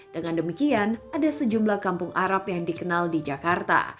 dengan demikian ada sejumlah kampung arab yang dikenal di jakarta